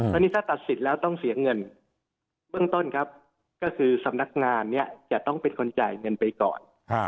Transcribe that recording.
ตอนนี้ถ้าตัดสิทธิ์แล้วต้องเสียเงินเบื้องต้นครับก็คือสำนักงานเนี่ยจะต้องเป็นคนจ่ายเงินไปก่อน